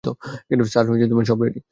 Sir, সব ready.